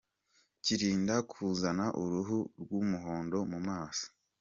Kirinda kuzana uruhu rw’umuhondo mu maso.